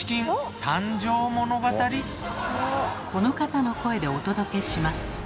この方の声でお届けします。